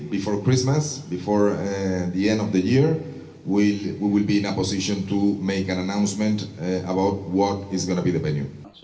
kita akan berada dalam posisi untuk menaiki perkembangan tentang lokal